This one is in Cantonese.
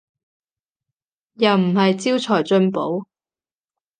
又唔係招財進寶